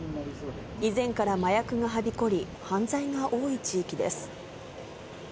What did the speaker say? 以前から麻薬がはびこり、犯罪が多い地域です。